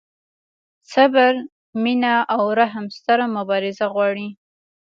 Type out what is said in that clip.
صبر، مینه او رحم ستره مبارزه غواړي.